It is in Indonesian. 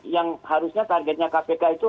yang harusnya targetnya kpk itu